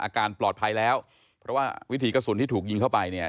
อาการปลอดภัยแล้วเพราะว่าวิถีกระสุนที่ถูกยิงเข้าไปเนี่ย